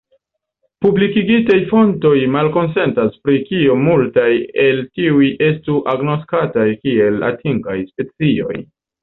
Publikigitaj fontoj malkonsentas pri kiom multaj el tiuj estu agnoskataj kiel distingaj specioj.